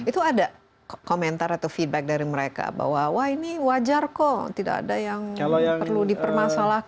itu ada komentar atau feedback dari mereka bahwa wah ini wajar kok tidak ada yang perlu dipermasalahkan